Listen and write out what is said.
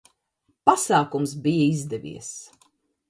Pasākums bija izdevies!